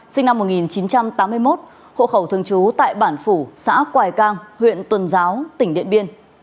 sinh năm một nghìn chín trăm tám mươi một hộ khẩu thường trú tại bản phủ xã quài cang huyện tuần giáo tỉnh điện biên